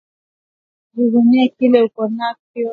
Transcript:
Jivunie kile uko nakyo